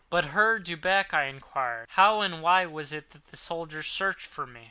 "But Herr Delbrück," I enquired, "how and why was it that the soldiers searched for me?"